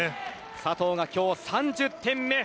佐藤が今日３０点目。